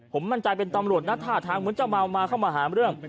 ผมมั่นใจเป็นตำรวจนะท่าทางเหมือนจะเมามาเข้ามาหาเรื่อง